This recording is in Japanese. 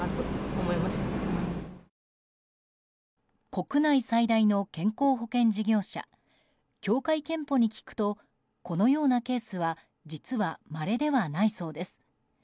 国内最大の健康保険事業者協会けんぽに聞くとこのようなケースは実は、まれではないそうです。